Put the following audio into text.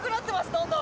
どんどん。